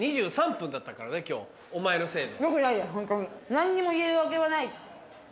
お前のせいで。